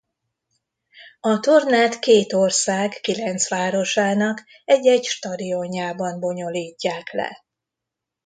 A tornát két ország kilenc városának egy-egy stadionjában bonyolítják le.